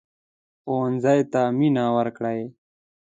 ښوونځی ته مينه ورکړئ